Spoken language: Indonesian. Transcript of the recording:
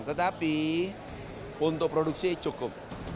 tetapi untuk produksi cukup